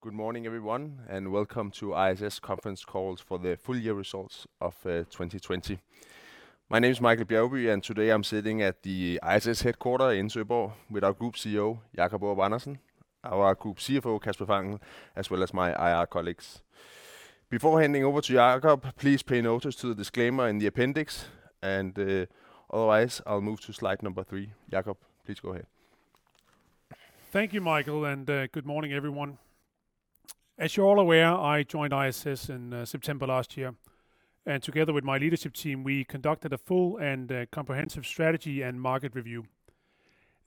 Good morning, everyone. Welcome to ISS conference call for the full year results of 2020. My name is Michael Bjergby. Today, I'm sitting at the ISS headquarter in Søborg with our Group CEO, Jacob Aarup-Andersen, our Group CFO, Kasper Fangel, as well as my IR colleagues. Before handing over to Jacob, please pay notice to the disclaimer in the appendix. Otherwise, I'll move to slide number three. Jacob, please go ahead. Thank you, Michael, and good morning, everyone. As you're all aware, I joined ISS in September last year, and together with my leadership team, we conducted a full and comprehensive strategy and market review.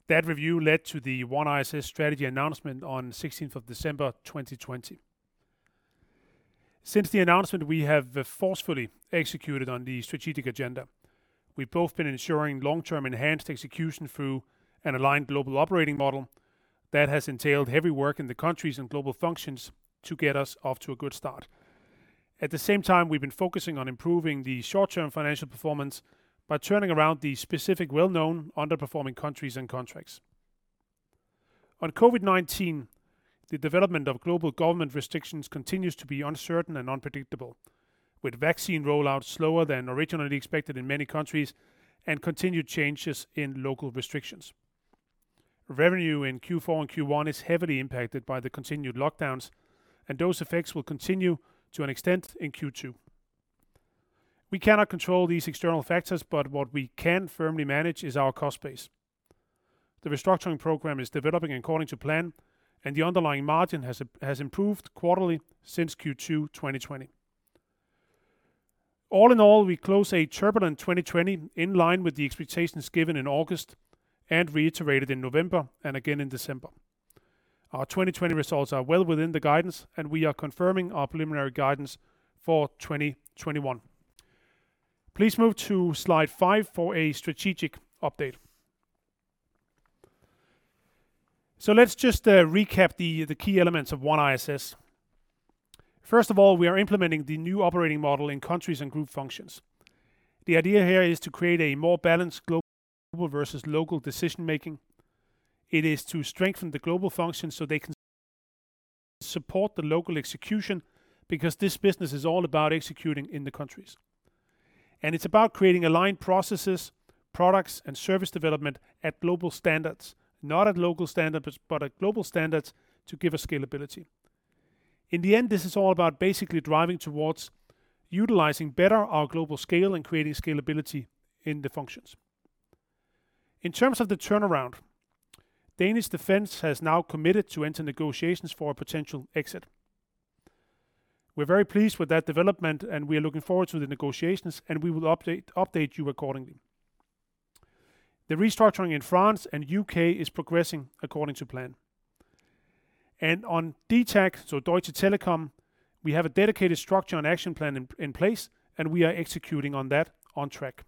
That review led to the OneISS strategy announcement on 16th of December 2020. Since the announcement, we have forcefully executed on the strategic agenda. We've both been ensuring long-term enhanced execution through an aligned global operating model that has entailed heavy work in the countries and global functions to get us off to a good start. At the same time, we've been focusing on improving the short-term financial performance by turning around the specific well-known underperforming countries and contracts. On COVID-19, the development of global government restrictions continues to be uncertain and unpredictable, with vaccine rollout slower than originally expected in many countries and continued changes in local restrictions. Revenue in Q4 and Q1 is heavily impacted by the continued lockdowns, and those effects will continue to an extent in Q2. We cannot control these external factors, but what we can firmly manage is our cost base. The restructuring program is developing according to plan, and the underlying margin has improved quarterly since Q2 2020. All in all, we close a turbulent 2020 in line with the expectations given in August and reiterated in November and again in December. Our 2020 results are well within the guidance, and we are confirming our preliminary guidance for 2021. Please move to slide five for a strategic update. Let's just recap the key elements of OneISS. First of all, we are implementing the new operating model in countries and group functions. The idea here is to create a more balanced global versus local decision-making. It is to strengthen the global functions so they can support the local execution because this business is all about executing in the countries. It's about creating aligned processes, products, and service development at global standards, not at local standards, but at global standards to give us scalability. In the end, this is all about basically driving towards utilizing better our global scale and creating scalability in the functions. In terms of the turnaround, Danish Defence has now committed to enter negotiations for a potential exit. We're very pleased with that development, and we are looking forward to the negotiations, and we will update you accordingly. The restructuring in France and U.K. is progressing according to plan. On DTAG, so Deutsche Telekom, we have a dedicated structure and action plan in place, and we are executing on that on track.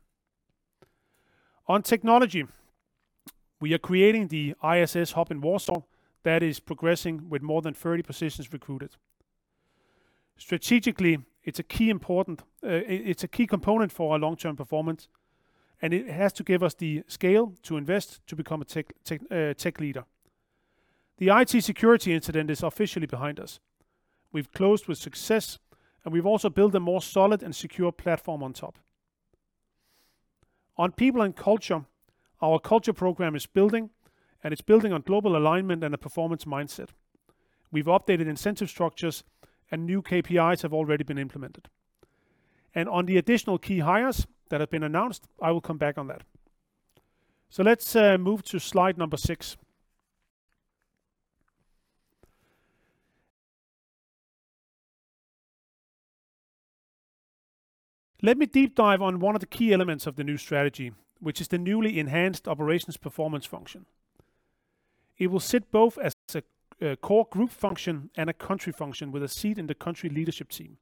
On technology, we are creating the ISS hub in Warsaw that is progressing with more than 30 positions recruited. Strategically, it's a key component for our long-term performance, and it has to give us the scale to invest to become a tech leader. The IT security incident is officially behind us. We've closed with success, and we've also built a more solid and secure platform on top. On people and culture, our culture program is building, and it's building on global alignment and a performance mindset. We've updated incentive structures, and new KPIs have already been implemented. On the additional key hires that have been announced, I will come back on that. Let's move to slide number six. Let me deep dive on one of the key elements of the new strategy, which is the newly enhanced operations performance function. It will sit both as a core group function and a country function with a seat in the country leadership team.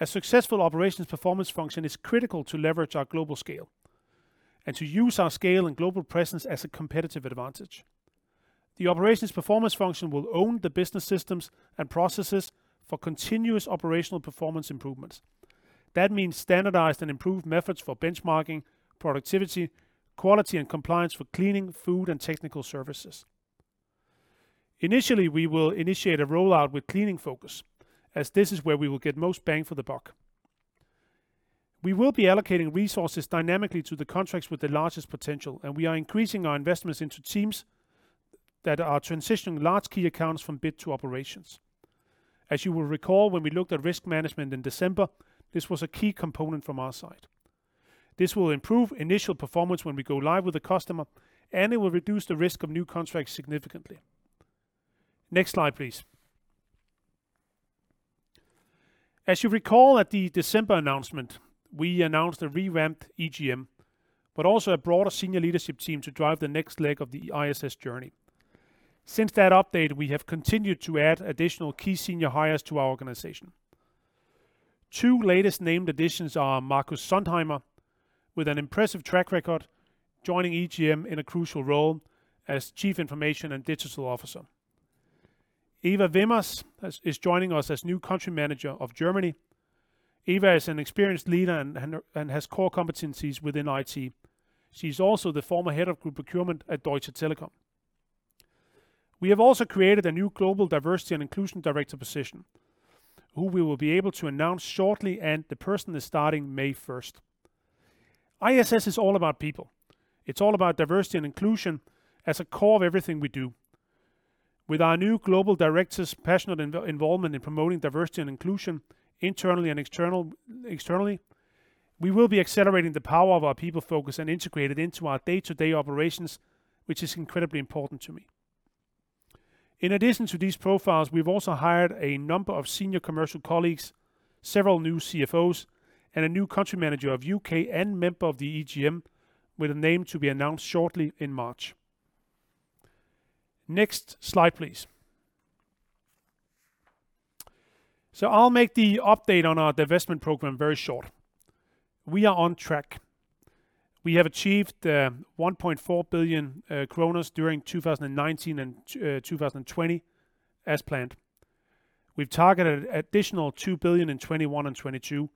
A successful operations performance function is critical to leverage our global scale and to use our scale and global presence as a competitive advantage. The operations performance function will own the business systems and processes for continuous operational performance improvements. That means standardized and improved methods for benchmarking, productivity, quality, and compliance for cleaning, food, and technical services. Initially, we will initiate a rollout with cleaning focus as this is where we will get most bang for the buck. We will be allocating resources dynamically to the contracts with the largest potential, and we are increasing our investments into teams that are transitioning large key accounts from bid to operations. As you will recall, when we looked at risk management in December, this was a key component from our side. This will improve initial performance when we go live with the customer, and it will reduce the risk of new contracts significantly. Next slide, please. As you recall at the December announcement, we announced a revamped EGM, but also a broader senior leadership team to drive the next leg of the ISS journey. Since that update, we have continued to add additional key senior hires to our organization. Two latest named additions are Markus Sontheimer with an impressive track record joining EGM in a crucial role as Chief Information and Digital Officer. Eva Wimmers is joining us as new country manager of Germany. Eva is an experienced leader and has core competencies within IT. She's also the former head of group procurement at Deutsche Telekom. We have also created a new global diversity and inclusion director position, who we will be able to announce shortly, and the person is starting May 1st. ISS is all about people. It's all about diversity and inclusion as a core of everything we do. With our new global director's passionate involvement in promoting diversity and inclusion internally and externally, we will be accelerating the power of our people focus and integrate it into our day-to-day operations, which is incredibly important to me. In addition to these profiles, we've also hired a number of senior commercial colleagues, several new CFOs, and a new Country Manager of U.K. and member of the EGM, with a name to be announced shortly in March. Next slide, please. I'll make the update on our divestment program very short. We are on track. We have achieved 1.4 billion kroner during 2019 and 2020, as planned. We've targeted additional 2 billion in 2021 and 2022.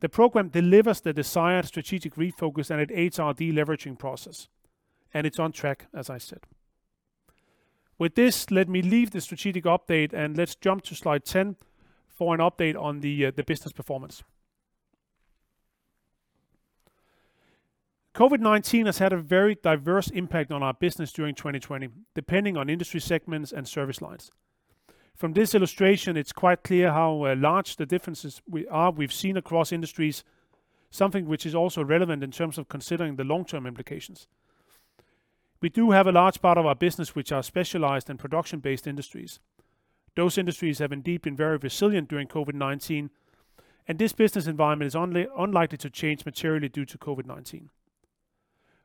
The program delivers the desired strategic refocus, and it aids our de-leveraging process, and it's on track, as I said. With this, let me leave the strategic update, and let's jump to slide 10 for an update on the business performance. COVID-19 has had a very diverse impact on our business during 2020, depending on industry segments and service lines. From this illustration, it's quite clear how large the differences are we've seen across industries, something which is also relevant in terms of considering the long-term implications. We do have a large part of our business which are specialized in production-based industries. Those industries have indeed been very resilient during COVID-19, and this business environment is unlikely to change materially due to COVID-19.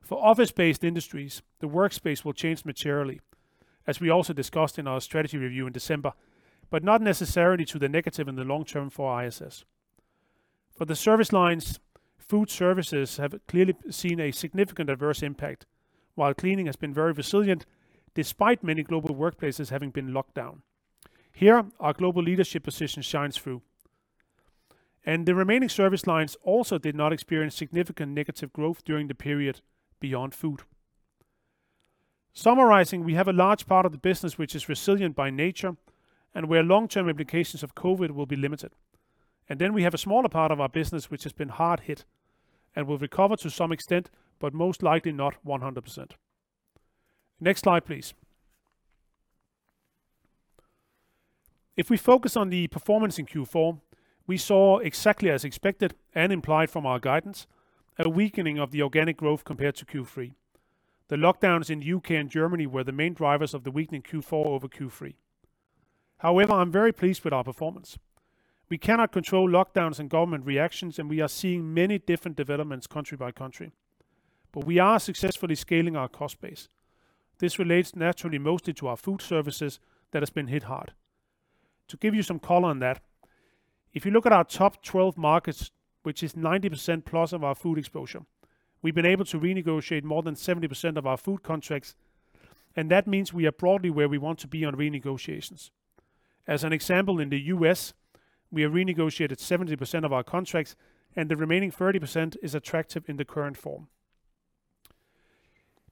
For office-based industries, the workspace will change materially, as we also discussed in our strategy review in December, but not necessarily to the negative in the long term for ISS. For the service lines, food services have clearly seen a significant adverse impact, while cleaning has been very resilient despite many global workplaces having been locked down. Here, our global leadership position shines through, and the remaining service lines also did not experience significant negative growth during the period beyond food. Summarizing, we have a large part of the business which is resilient by nature and where long-term implications of COVID will be limited. We have a smaller part of our business, which has been hard hit and will recover to some extent, but most likely not 100%. Next slide, please. If we focus on the performance in Q4, we saw exactly as expected and implied from our guidance, a weakening of the organic growth compared to Q3. The lockdowns in U.K. and Germany were the main drivers of the weakening Q4 over Q3. However, I'm very pleased with our performance. We cannot control lockdowns and government reactions, and we are seeing many different developments country by country, but we are successfully scaling our cost base. This relates naturally mostly to our food services that has been hit hard. To give you some color on that, if you look at our top 12 markets, which is 90%+ of our food exposure, we've been able to renegotiate more than 70% of our food contracts, and that means we are broadly where we want to be on renegotiations. As an example, in the U.S., we have renegotiated 70% of our contracts, and the remaining 30% is attractive in the current form.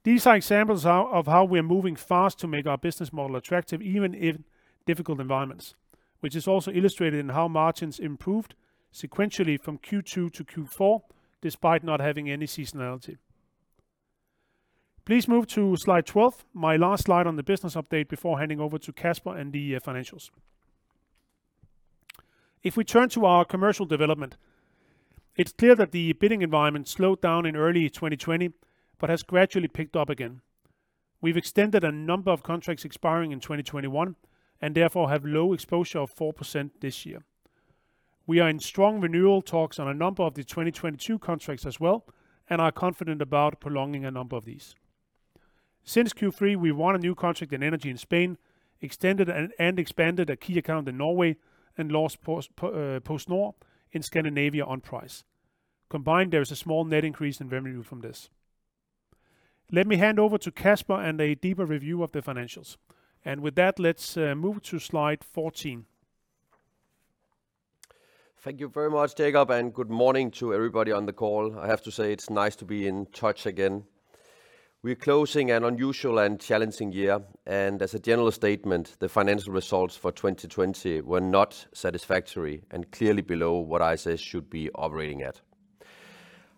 These are examples of how we are moving fast to make our business model attractive, even in difficult environments, which is also illustrated in how margins improved sequentially from Q2 to Q4, despite not having any seasonality. Please move to slide 12, my last slide on the business update before handing over to Kasper and the financials. If we turn to our commercial development, it's clear that the bidding environment slowed down in early 2020 but has gradually picked up again. We've extended a number of contracts expiring in 2021 and therefore have low exposure of 4% this year. We are in strong renewal talks on a number of the 2022 contracts as well and are confident about prolonging a number of these. Since Q3, we won a new contract in energy in Spain, extended and expanded a key account in Norway, and lost PostNord in Scandinavia on price. Combined, there is a small net increase in revenue from this. Let me hand over to Kasper and a deeper review of the financials. With that, let's move to slide 14. Thank you very much, Jacob, and good morning to everybody on the call. I have to say, it's nice to be in touch again. We're closing an unusual and challenging year, and as a general statement, the financial results for 2020 were not satisfactory and clearly below what ISS should be operating at.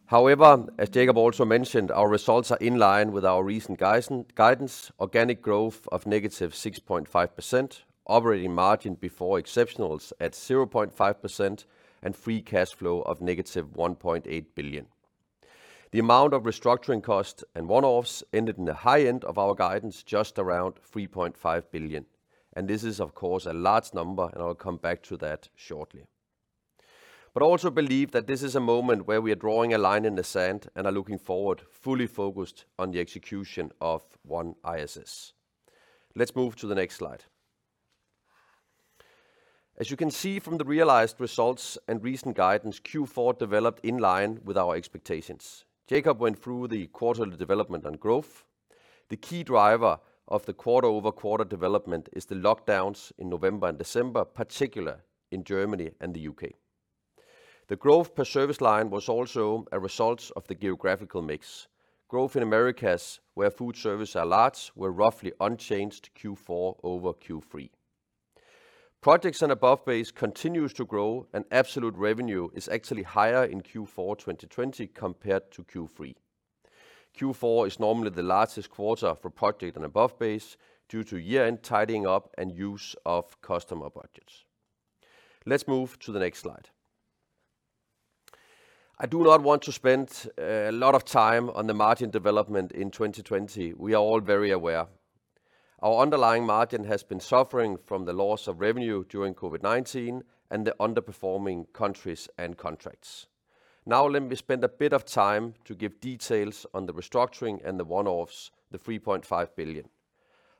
However, as Jacob also mentioned, our results are in line with our recent guidance. Organic growth of -6.5%, operating margin before exceptionals at 0.5%, and free cash flow of -1.8 billion. The amount of restructuring costs and one-offs ended in the high end of our guidance, just around 3.5 billion, and this is, of course, a large number, and I'll come back to that shortly. I also believe that this is a moment where we are drawing a line in the sand and are looking forward, fully focused on the execution of OneISS. Let's move to the next slide. As you can see from the realized results and recent guidance, Q4 developed in line with our expectations. Jacob went through the quarterly development and growth. The key driver of the quarter-over-quarter development is the lockdowns in November and December, particularly in Germany and the U.K. The growth per service line was also a result of the geographical mix. Growth in Americas, where food services are large, were roughly unchanged Q4 over Q3. Projects and above base continue to grow, and absolute revenue is actually higher in Q4 2020 compared to Q3. Q4 is normally the largest quarter for project and above base due to year-end tidying up and use of customer budgets. Let's move to the next slide. I do not want to spend a lot of time on the margin development in 2020. We are all very aware. Our underlying margin has been suffering from the loss of revenue during COVID-19 and the underperforming countries and contracts. Now, let me spend a bit of time to give details on the restructuring and the one-offs, the 3.5 billion.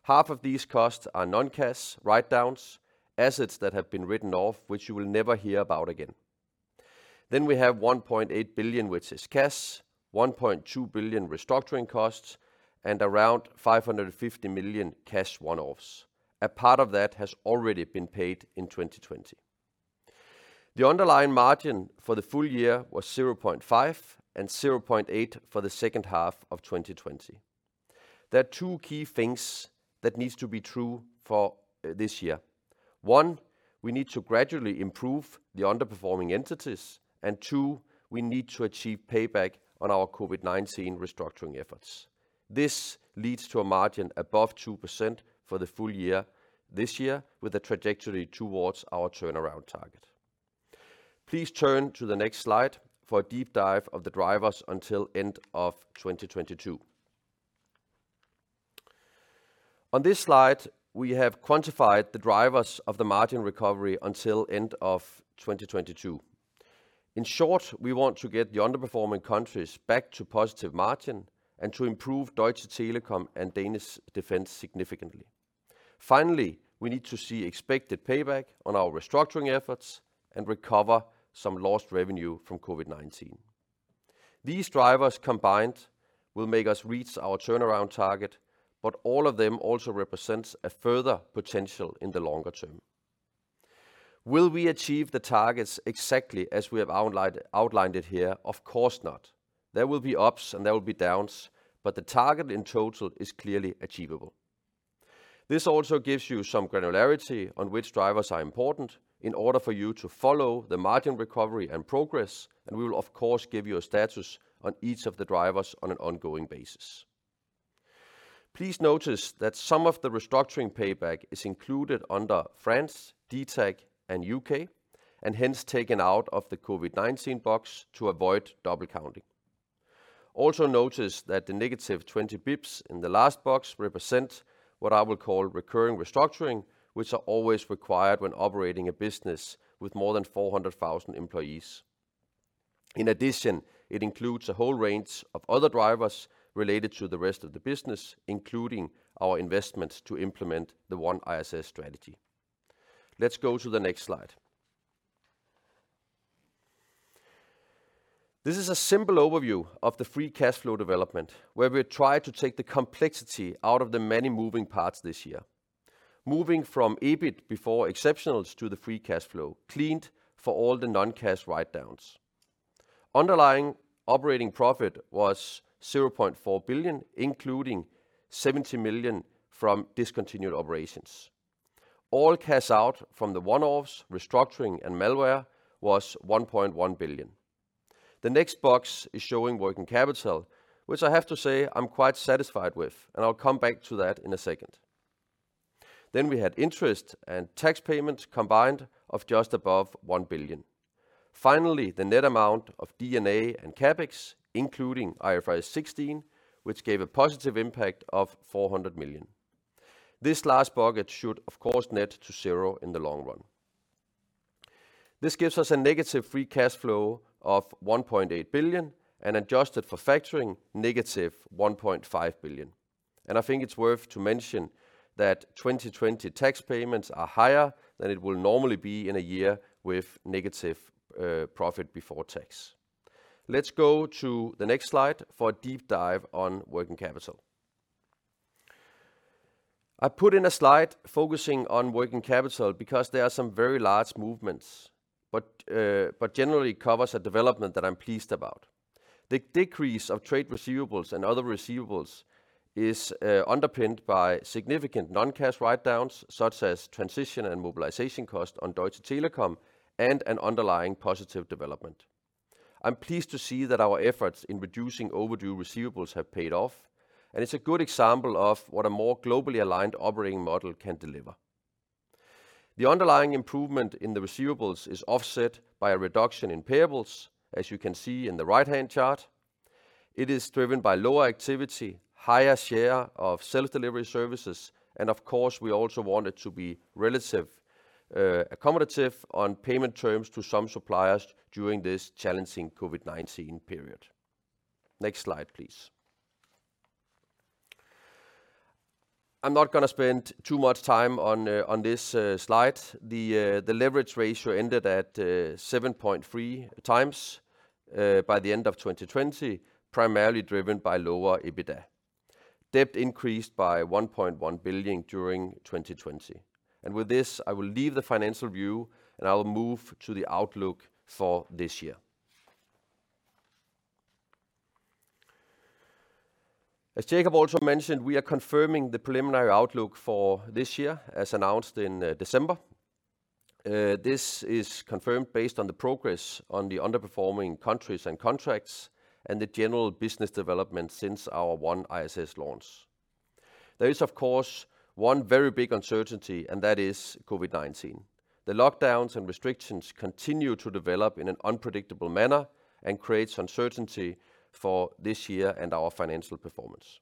Half of these costs are non-cash write-downs, assets that have been written off, which you will never hear about again. Then, we have 1.8 billion, which is cash, 1.2 billion restructuring costs, and around 550 million cash one-offs. A part of that has already been paid in 2020. The underlying margin for the full year was 0.5% and 0.8% for the second half of 2020. There are two key things that needs to be true for this year. One, we need to gradually improve the underperforming entities, and two, we need to achieve payback on our COVID-19 restructuring efforts. This leads to a margin above 2% for the full year this year with a trajectory towards our turnaround target. Please turn to the next slide for a deep dive of the drivers until end of 2022. On this slide, we have quantified the drivers of the margin recovery until end of 2022. In short, we want to get the underperforming countries back to positive margin and to improve Deutsche Telekom and Danish Defence significantly. Finally, we need to see expected payback on our restructuring efforts and recover some lost revenue from COVID-19. These drivers combined will make us reach our turnaround target, but all of them also represents a further potential in the longer term. Will we achieve the targets exactly as we have outlined it here? Of course not. There will be ups and there will be downs, but the target in total is clearly achievable. This also gives you some granularity on which drivers are important in order for you to follow the margin recovery and progress, and we will of course give you a status on each of the drivers on an ongoing basis. Please notice that some of the restructuring payback is included under France, DTAG, and U.K., and hence taken out of the COVID-19 box to avoid double counting. Also notice that the negative 20 bips in the last box represent what I will call recurring restructuring, which are always required when operating a business with more than 400,000 employees. In addition, it includes a whole range of other drivers related to the rest of the business, including our investments to implement the OneISS strategy. Let's go to the next slide. This is a simple overview of the free cash flow development, where we try to take the complexity out of the many moving parts this year. Moving from EBIT before exceptionals to the free cash flow cleaned for all the non-cash write-downs. Underlying operating profit was 0.4 billion, including 70 million from discontinued operations. All cash out from the one-offs, restructuring, and malware was 1.1 billion. The next box is showing working capital, which I have to say I'm quite satisfied with, and I'll come back to that in a second. We had interest and tax payments combined of just above 1 billion. Finally, the net amount of D&A and CapEx, including IFRS 16, which gave a positive impact of 400 million. This last bucket should of course net to zero in the long run. This gives us a negative free cash flow of 1.8 billion and adjusted for factoring negative 1.5 billion. I think it's worth to mention that 2020 tax payments are higher than it will normally be in a year with negative profit before tax. Let's go to the next slide for a deep dive on working capital. I put in a slide focusing on working capital because there are some very large movements, but generally covers a development that I'm pleased about. The decrease of trade receivables and other receivables is underpinned by significant non-cash write-downs, such as transition and mobilization cost on Deutsche Telekom, and an underlying positive development. I'm pleased to see that our efforts in reducing overdue receivables have paid off, and it's a good example of what a more globally aligned operating model can deliver. The underlying improvement in the receivables is offset by a reduction in payables, as you can see in the right-hand chart. It is driven by lower activity, higher share of self-delivery services, and of course, we also want it to be relative accommodative on payment terms to some suppliers during this challenging COVID-19 period. Next slide, please. I'm not going to spend too much time on this slide. The leverage ratio ended at 7.3x by the end of 2020, primarily driven by lower EBITDA. Debt increased by 1.1 billion during 2020. With this, I will leave the financial view, and I will move to the outlook for this year. As Jacob also mentioned, we are confirming the preliminary outlook for this year as announced in December. This is confirmed based on the progress on the underperforming countries and contracts and the general business development since our OneISS launch. There is, of course, one very big uncertainty, and that is COVID-19. The lockdowns and restrictions continue to develop in an unpredictable manner and creates uncertainty for this year and our financial performance.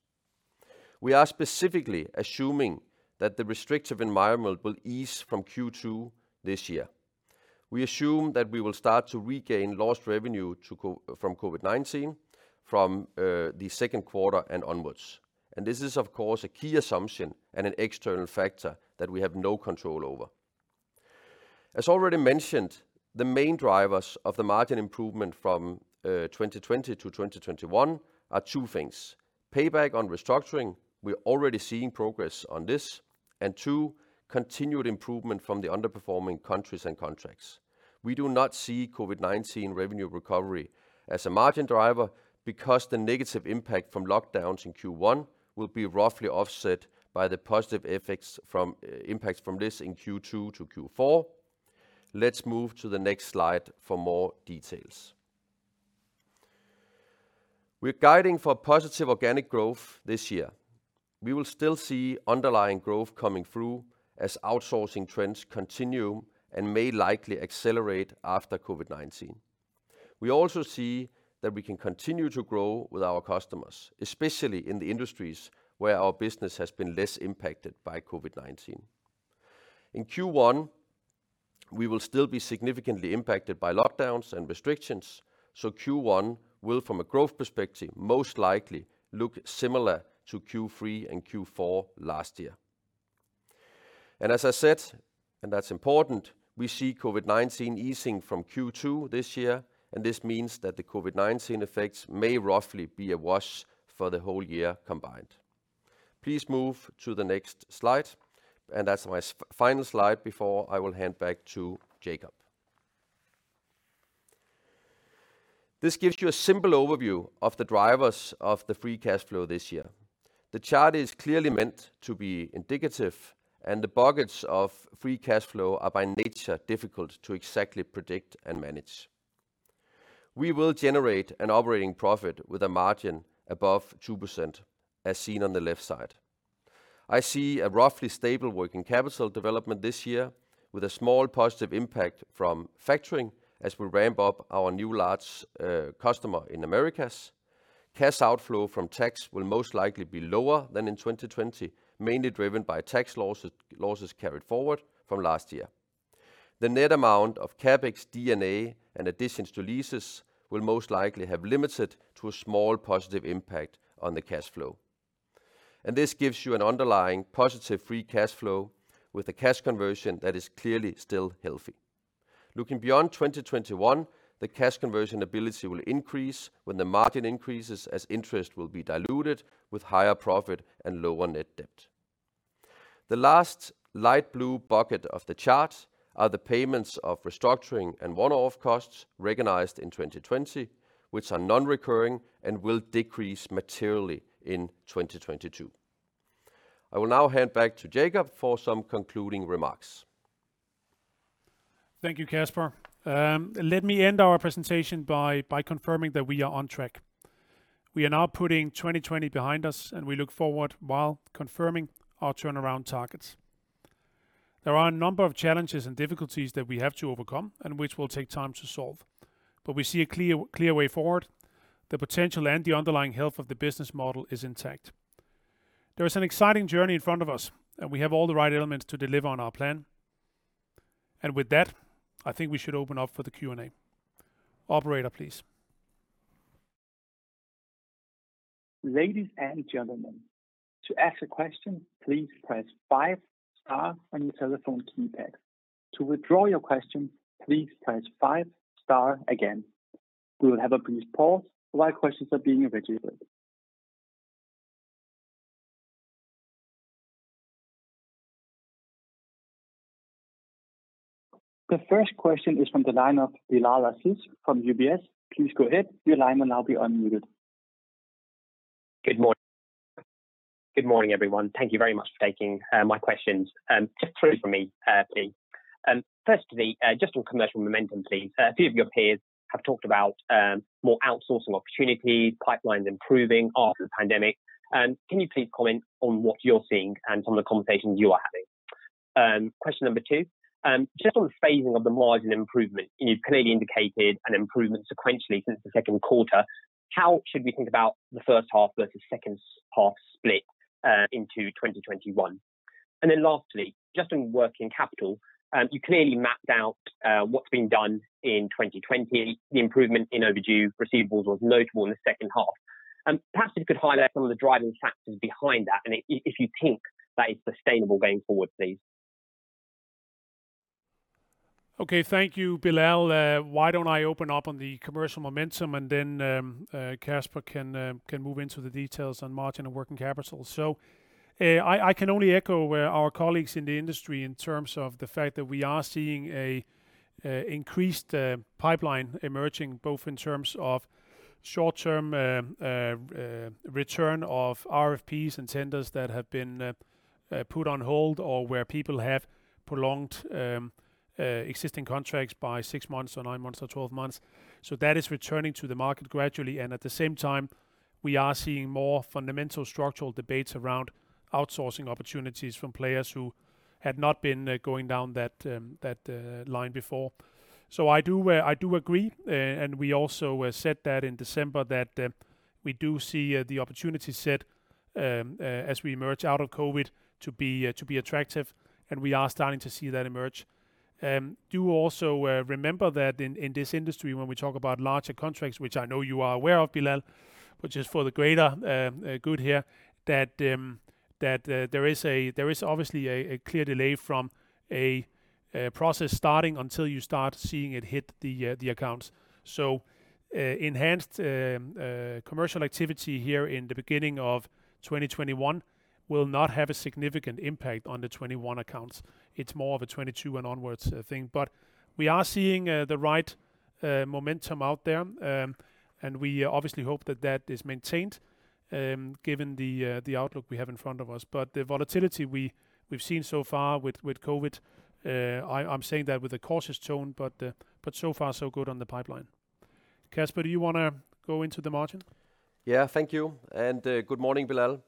We are specifically assuming that the restrictive environment will ease from Q2 this year. We assume that we will start to regain lost revenue from COVID-19 from the second quarter and onwards. This is, of course, a key assumption and an external factor that we have no control over. As already mentioned, the main drivers of the margin improvement from 2020 to 2021 are two things. Payback on restructuring, we're already seeing progress on this. Two, continued improvement from the underperforming countries and contracts. We do not see COVID-19 revenue recovery as a margin driver because the negative impact from lockdowns in Q1 will be roughly offset by the positive impacts from this in Q2 to Q4. Let's move to the next slide for more details. We're guiding for positive organic growth this year. We will still see underlying growth coming through as outsourcing trends continue and may likely accelerate after COVID-19. We also see that we can continue to grow with our customers, especially in the industries where our business has been less impacted by COVID-19. In Q1, we will still be significantly impacted by lockdowns and restrictions, so Q1 will, from a growth perspective, most likely look similar to Q3 and Q4 last year. As I said, and that's important, we see COVID-19 easing from Q2 this year. This means that the COVID-19 effects may roughly be a wash for the whole year combined. Please move to the next slide, and that's my final slide before I will hand back to Jacob. This gives you a simple overview of the drivers of the free cash flow this year. The chart is clearly meant to be indicative, and the buckets of free cash flow are by nature difficult to exactly predict and manage. We will generate an operating profit with a margin above 2%, as seen on the left side. I see a roughly stable working capital development this year with a small positive impact from factoring as we ramp up our new large customer in Americas. Cash outflow from tax will most likely be lower than in 2020, mainly driven by tax losses carried forward from last year. The net amount of CapEx, D&A, and additions to leases will most likely have limited to a small positive impact on the cash flow. This gives you an underlying positive free cash flow with a cash conversion that is clearly still healthy. Looking beyond 2021, the cash conversion ability will increase when the margin increases, as interest will be diluted with higher profit and lower net debt. The last light blue bucket of the chart are the payments of restructuring and one-off costs recognized in 2020, which are non-recurring and will decrease materially in 2022. I will now hand back to Jacob for some concluding remarks. Thank you, Kasper. Let me end our presentation by confirming that we are on track. We are now putting 2020 behind us, and we look forward while confirming our turnaround targets. There are a number of challenges and difficulties that we have to overcome and which will take time to solve, but we see a clear way forward. The potential and the underlying health of the business model is intact. There is an exciting journey in front of us, and we have all the right elements to deliver on our plan. With that, I think we should open up for the Q&A. Operator, please. Ladies and gentlemen, to ask a question, please press five star on your telephone keypad. To withdraw your question, please press five star again. We will have a brief pause while questions are being registered. The first question is from the line of Bilal Aziz from UBS. Please go ahead. Your line will now be unmuted. Good morning, everyone. Thank you very much for taking my questions. Just three from me, please. Firstly, just on commercial momentum, please. A few of your peers have talked about more outsourcing opportunities, pipelines improving after the pandemic. Can you please comment on what you're seeing and some of the conversations you are having? Question number two, just on the phasing of the margin improvement. You've clearly indicated an improvement sequentially since the second quarter. How should we think about the first half versus second half split into 2021? Lastly, just on working capital, you clearly mapped out what's been done in 2020. The improvement in overdue receivables was notable in the second half. Perhaps you could highlight some of the driving factors behind that, and if you think that is sustainable going forward, please. Okay. Thank you, Bilal. Why don't I open up on the commercial momentum, and then Kasper can move into the details on margin and working capital. I can only echo our colleagues in the industry in terms of the fact that we are seeing an increased pipeline emerging, both in terms of short-term return of RFPs and tenders that have been put on hold or where people have prolonged existing contracts by six months or nine months or 12 months. So that is returning to the market gradually, and at the same time, we are seeing more fundamental structural debates around outsourcing opportunities from players who had not been going down that line before. I do agree, and we also said that in December, that we do see the opportunity set as we emerge out of COVID to be attractive, and we are starting to see that emerge. Do also remember that in this industry, when we talk about larger contracts, which I know you are aware of, Bilal, which is for the greater good here, that there is obviously a clear delay from a process starting until you start seeing it hit the accounts. So enhanced commercial activity here in the beginning of 2021 will not have a significant impact on the 2021 accounts. It's more of a 2022 and onwards thing, but we are seeing the right momentum out there, and we obviously hope that that is maintained given the outlook we have in front of us. The volatility we've seen so far with COVID, I'm saying that with a cautious tone, but so far so good on the pipeline. Kasper, do you want to go into the margin? Yeah. Thank you, and good morning, Bilal.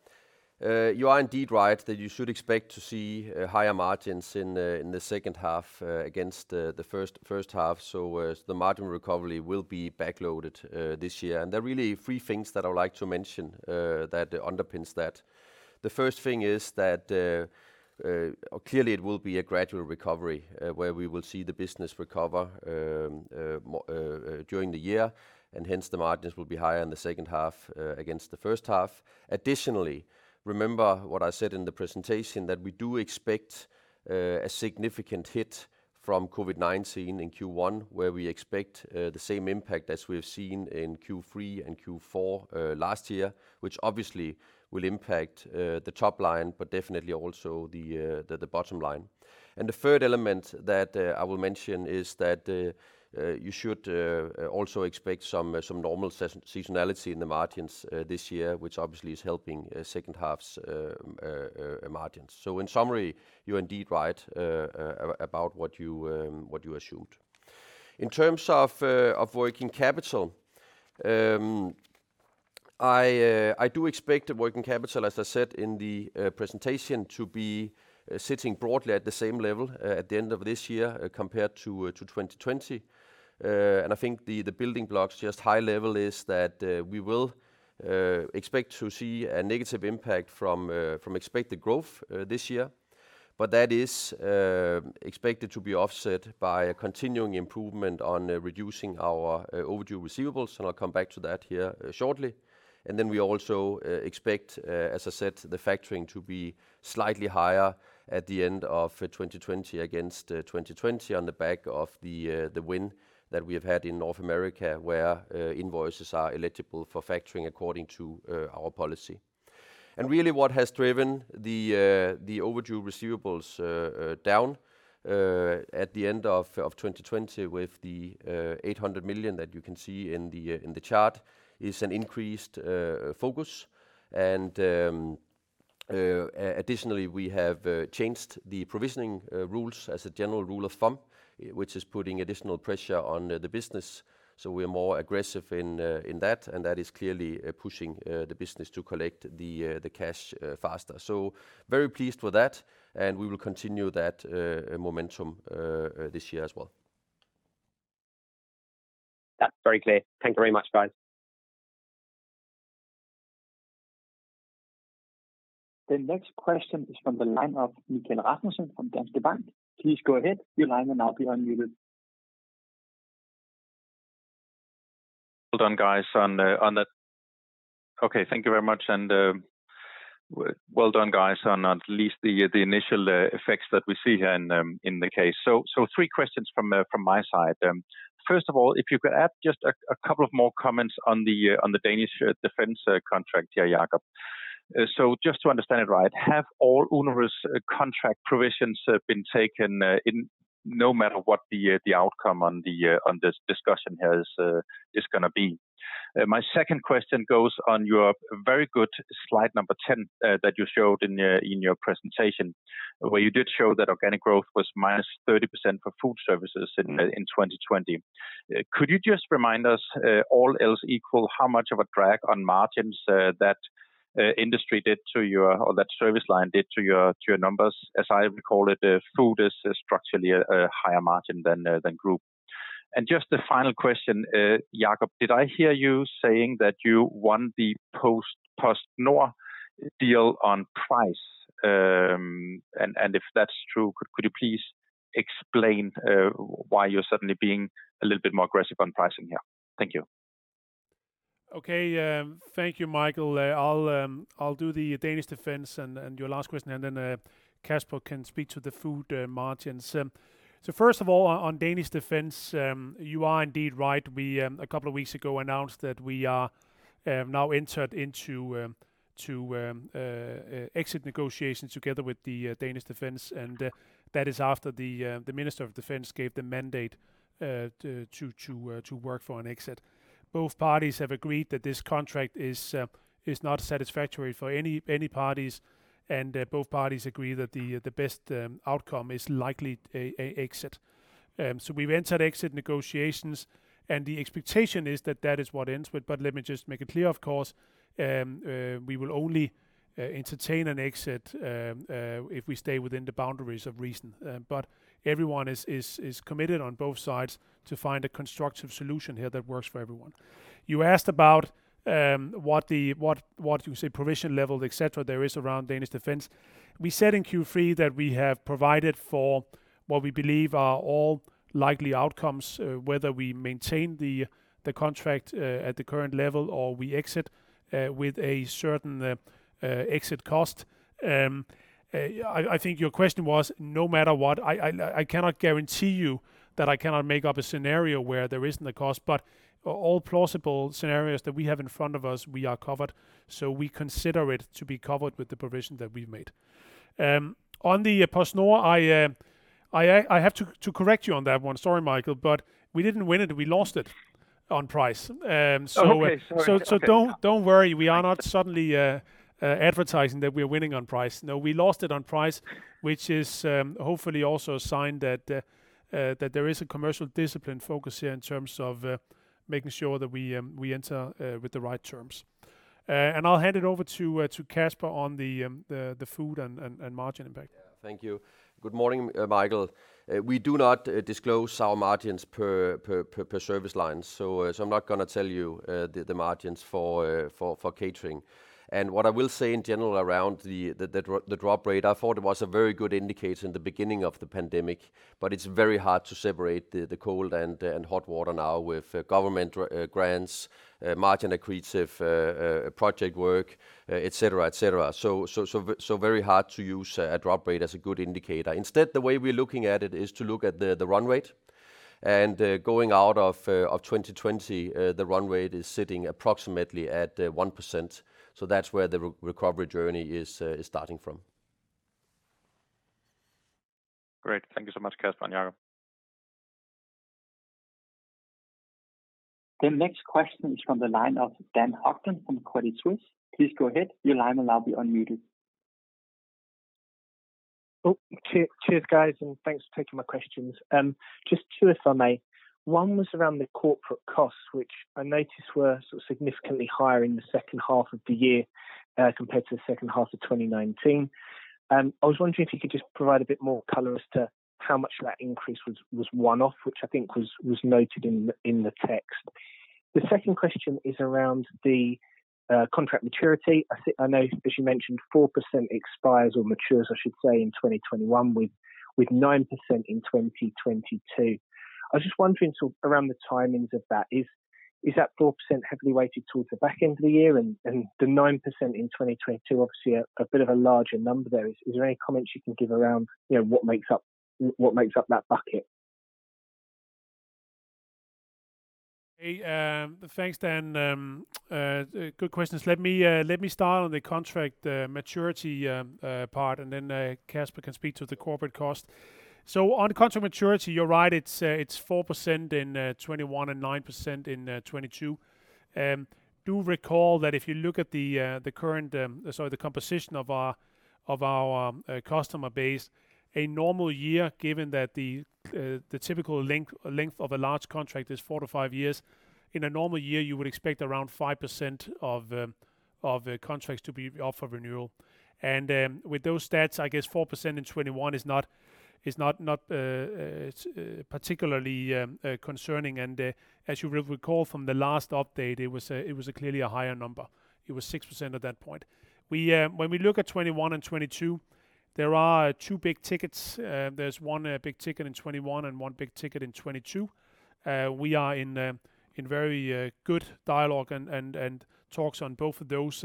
You are indeed right that you should expect to see higher margins in the second half against the first half. The margin recovery will be backloaded this year. There are really three things that I would like to mention that underpins that. The first thing is that clearly it will be a gradual recovery, where we will see the business recover during the year, and hence the margins will be higher in the second half against the first half. Additionally, remember what I said in the presentation that we do expect a significant hit from COVID-19 in Q1, where we expect the same impact as we've seen in Q3 and Q4 last year, which obviously will impact the top line, but definitely also the bottom line. The third element that I will mention is that you should also expect some normal seasonality in the margins this year, which obviously is helping second half's margins. In summary, you're indeed right about what you assumed. In terms of working capital, I do expect the working capital, as I said in the presentation, to be sitting broadly at the same level at the end of this year compared to 2020. I think the building blocks, just high level, is that we will expect to see a negative impact from expected growth this year, but that is expected to be offset by a continuing improvement on reducing our overdue receivables, and I'll come back to that here shortly. We also expect, as I said, the factoring to be slightly higher at the end of 2020 against 2020 on the back of the win that we have had in North America, where invoices are eligible for factoring according to our policy. Really what has driven the overdue receivables down at the end of 2020 with the 800 million that you can see in the chart is an increased focus. Additionally, we have changed the provisioning rules as a general rule of thumb, which is putting additional pressure on the business. We're more aggressive in that, and that is clearly pushing the business to collect the cash faster. So very pleased with that, and we will continue that momentum this year as well. That's very clear. Thank you very much, guys. The next question is from the line of Michael Rasmussen from Danske Bank. Please go ahead. Your line will now be unmuted. Thank you very much, and well done, guys, on at least the initial effects that we see here in the case. Three questions from my side. First of all, if you could add just a couple of more comments on the Danish Defence contract here, Jacob. Just to understand it right, have all onerous contract provisions been taken in no matter what the outcome on this discussion here is going to be? My second question goes on your very good slide 10 that you showed in your presentation, where you did show that organic growth was -30% for food services in 2020. Could you just remind us, all else equal, how much of a drag on margins that industry or that service line did to your numbers? As I recall it, food is structurally a higher margin than group. Just a final question, Jacob. Did I hear you saying that you won the PostNord deal on price? If that's true, could you please explain why you're suddenly being a little bit more aggressive on pricing here? Thank you. Okay. Thank you, Michael. I'll do the Danish Defence and your last question, and then Kasper can speak to the food margins. First of all, on Danish Defence, you are indeed right. We, a couple of weeks ago, announced that we are now entered into exit negotiations together with the Danish Defence, and that is after the Minister of Defense gave the mandate to work for an exit. Both parties have agreed that this contract is not satisfactory for any parties, and both parties agree that the best outcome is likely an exit. We've entered exit negotiations, and the expectation is that that is what ends. Let me just make it clear, of course, we will only entertain an exit if we stay within the boundaries of reason, but everyone is committed on both sides to find a constructive solution here that works for everyone. You asked about what you say provision level, et cetera, there is around Danish Defence. We said in Q3 that we have provided for what we believe are all likely outcomes, whether we maintain the contract at the current level or we exit with a certain exit cost. I think your question was no matter what, I cannot guarantee you that I cannot make up a scenario where there isn't a cost, but all plausible scenarios that we have in front of us, we are covered. We consider it to be covered with the provision that we've made. On the PostNord, I have to correct you on that one. Sorry, Michael, but we didn't win it. We lost it on price. Oh, okay. Sorry. Don't worry. We are not suddenly advertising that we're winning on price. No, we lost it on price, which is hopefully also a sign that there is a commercial discipline focus here in terms of making sure that we enter with the right terms. I'll hand it over to Kasper on the food and margin impact. Yeah. Thank you. Good morning, Michael. We do not disclose our margins per service line, so I'm not going to tell you the margins for catering. What I will say in general around the drop rate, I thought it was a very good indicator in the beginning of the pandemic, but it's very hard to separate the cold and hot water now with government grants, margin-accretive project work, et cetera et cetera, so very hard to use a drop rate as a good indicator. Instead, the way we're looking at it is to look at the run rate. Going out of 2020, the run rate is sitting approximately at 1%. That's where the recovery journey is starting from. Great. Thank you so much, Kasper and Jacob. The next question is from the line of Dan Hodgson from Credit Suisse. Please go ahead. Your line will now be unmuted. Oh, cheers guys. Thanks for taking my questions. Just two, if I may. One was around the corporate costs, which I noticed were sort of significantly higher in the second half of the year compared to the second half of 2019. I was wondering if you could just provide a bit more color as to how much of that increase was one-off, which I think was noted in the text. The second question is around the contract maturity. I know as you mentioned, 4% expires or matures, I should say, in 2021, with 9% in 2022. I was just wondering sort of around the timings of that. Is that 4% heavily weighted towards the back end of the year? The 9% in 2022, obviously a bit of a larger number there. Is there any comments you can give around what makes up that bucket? Thanks, Dan. Good questions. Let me start on the contract maturity part, and then Kasper can speak to the corporate cost. On contract maturity, you're right, it's 4% in 2021 and 9% in 2022. Do recall that if you look at the current, sorry, the composition of our customer base, a normal year, given that the typical length of a large contract is four to five years. In a normal year, you would expect around 5% of contracts to be up for renewal. With those stats, I guess 4% in 2021 is not particularly concerning. As you will recall from the last update, it was clearly a higher number. It was 6% at that point. When we look at 2021 and 2022, there are two big tickets. There's one big ticket in 2021 and one big ticket in 2022. We are in very good dialogue and talks on both of those.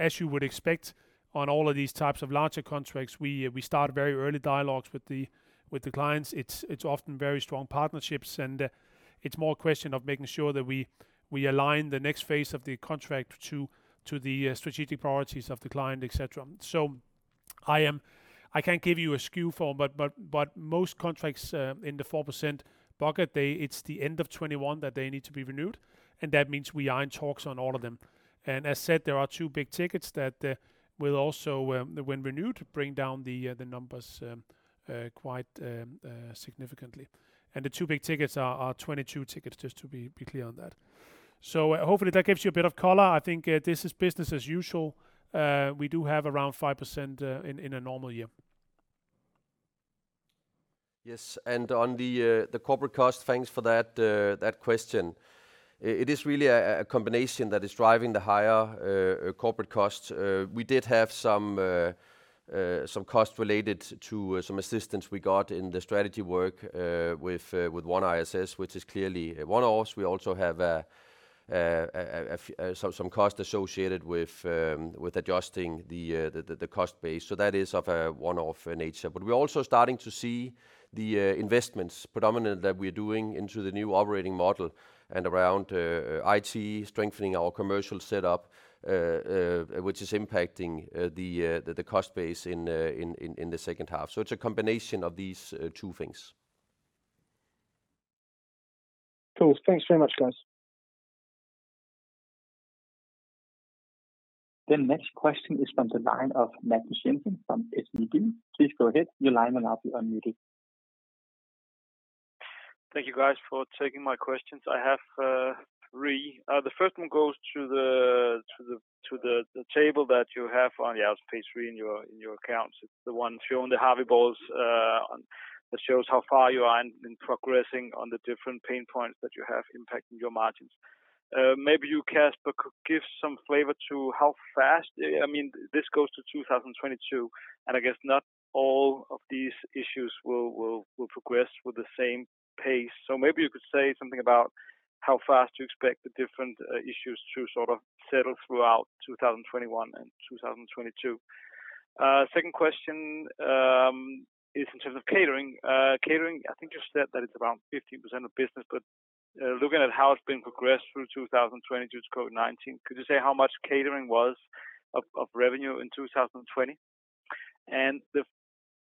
As you would expect on all of these types of larger contracts, we start very early dialogues with the clients. It's often very strong partnerships, and it's more a question of making sure that we align the next phase of the contract to the strategic priorities of the client, et cetera. I can't give you a SKU for them, but most contracts in the 4% bucket, it's the end of 2021 that they need to be renewed, and that means we are in talks on all of them. As said, there are two big tickets that will also, when renewed, bring down the numbers quite significantly. The two big tickets are 2022 tickets, just to be clear on that. So hopefully that gives you a bit of color. I think this is business as usual. We do have around 5% in a normal year. Yes, on the corporate cost, thanks for that question. It is really a combination that is driving the higher corporate costs. We did have some costs related to some assistance we got in the strategy work with OneISS, which is clearly a one-off. We also have some costs associated with adjusting the cost base. That is of a one-off nature. We're also starting to see the investments predominantly that we're doing into the new operating model and around IT, strengthening our commercial setup, which is impacting the cost base in the second half. It's a combination of these two things. Cool. Thanks very much, guys. The next question is from the line of Magnus Jensen from SEB. Please go ahead. Your line will now be unmuted. Thank you, guys, for taking my questions. I have three. The first one goes to the table that you have on page three in your accounts. It's the one showing the Harvey balls, that shows how far you are in progressing on the different pain points that you have impacting your margins. Maybe you, Kasper, could give some flavor to how fast this goes to 2022. I guess not all of these issues will progress with the same pace. Maybe you could say something about how fast you expect the different issues to sort of settle throughout 2021 and 2022. Second question is in terms of catering. Catering, I think you said that it's around 15% of business. Looking at how it's been progressed through 2020 due to COVID-19, could you say how much catering was of revenue in 2020? The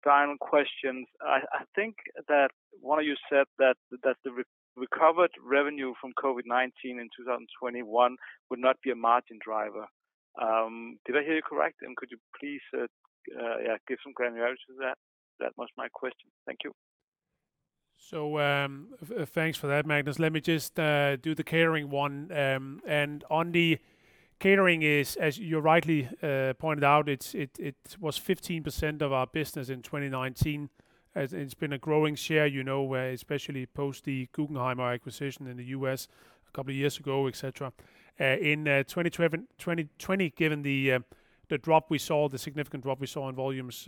final question, I think that one of you said that the recovered revenue from COVID-19 in 2021 would not be a margin driver. Did I hear you correct? Could you please give some granularity to that? That was my question. Thank you. Thanks for that, Magnus. Let me just do the catering one. On the catering is, as you rightly pointed out, it was 15% of our business in 2019. It's been a growing share, especially post the Guckenheimer acquisition in the U.S. a couple of years ago, et cetera. In 2020, given the significant drop we saw in volumes,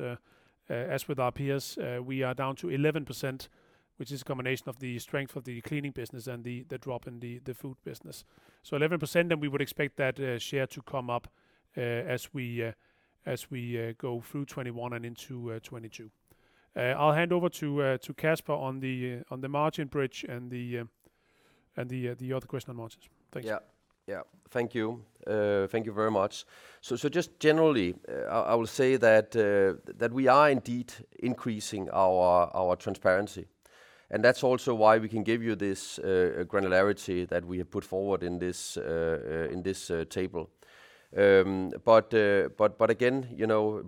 as with our peers, we are down to 11%, which is a combination of the strength of the cleaning business and the drop in the food business. So 11%, and we would expect that share to come up as we go through 2021 and into 2022. I'll hand over to Kasper on the margin bridge and the other question on margins. Thanks. Yeah. Thank you. Thank you very much. Just generally, I will say that we are indeed increasing our transparency, and that's also why we can give you this granularity that we have put forward in this table. Again,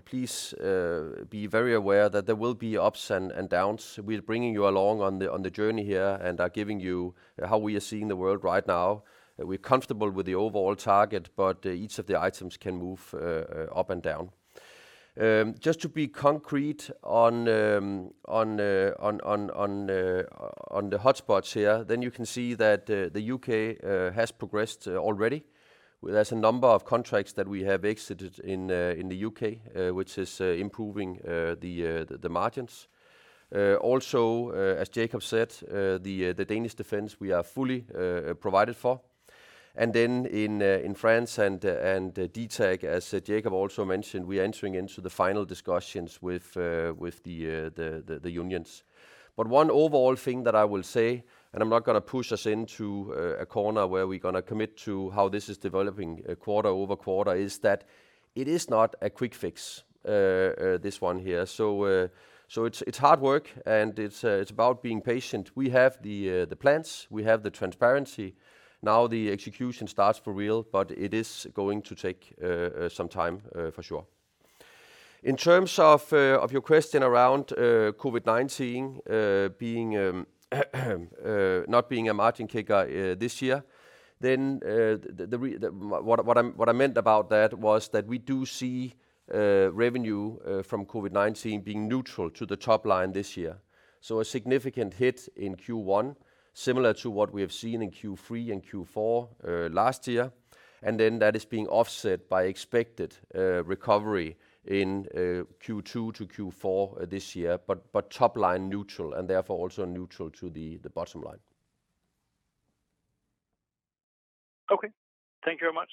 please be very aware that there will be ups and downs. We're bringing you along on the journey here and are giving you how we are seeing the world right now. We're comfortable with the overall target, but each of the items can move up and down. Just to be concrete on the hotspots here, then you can see that the U.K. has progressed already. There's a number of contracts that we have exited in the U.K., which is improving the margins. Also, as Jacob said, the Danish Defence, we are fully provided for. In France and DTAG, as Jacob also mentioned, we are entering into the final discussions with the unions. One overall thing that I will say, and I'm not going to push us into a corner where we're going to commit to how this is developing quarter-over-quarter, is that it is not a quick fix, this one here. It's hard work, and it's about being patient. We have the plans. We have the transparency. Now, the execution starts for real, but it is going to take some time, for sure. In terms of your question around COVID-19 not being a margin kicker this year, what I meant about that was that we do see revenue from COVID-19 being neutral to the top line this year. A significant hit in Q1, similar to what we have seen in Q3 and Q4 last year, and then that is being offset by expected recovery in Q2 to Q4 this year, but top line neutral and therefore also neutral to the bottom line. Okay. Thank you very much.